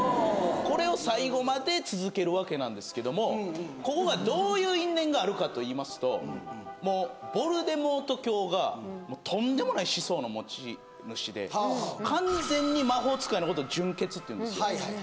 これを最後まで続けるわけなんですけどもここがどういう因縁があるかといいますともうヴォルデモート卿がとんでもない思想の持ち主で完全に魔法使いのことを純血っていうんですよ